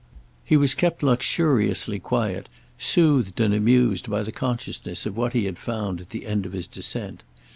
He was kept luxuriously quiet, soothed and amused by the consciousness of what he had found at the end of his descent.